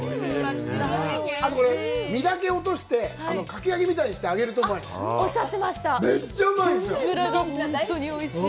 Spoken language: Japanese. あと、これ、実だけを落として、かき揚げみたいにして揚げると、おいしい。